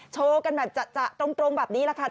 โชว์กันแบบจะตรงแบบนี้แหละค่ะ